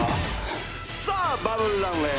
さあバブルランウェイ